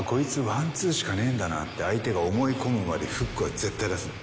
ワンツーしかねえんだなって相手が思い込むまでフックは絶対出すな。